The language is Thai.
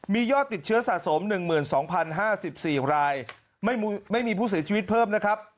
มียอดติดเชื้อสะสม๑๒๐๕๔รายไม่มีผู้เสียชีวิตเพิ่มนะครับ